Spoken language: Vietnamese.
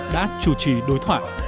đã chủ trì đối thoại